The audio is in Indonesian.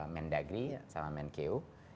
mendagri sama menkeu